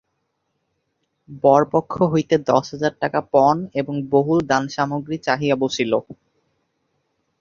বরপক্ষ হইতে দশ হাজার টাকা পণ এবং বহুল দানসামগ্রী চাহিয়া বসিল।